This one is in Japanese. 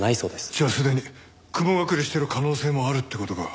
じゃあすでに雲隠れしてる可能性もあるって事か。